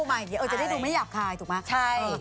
ใหม่เดี๋ยวจะได้ดูไม่หยาบคายถูกไหม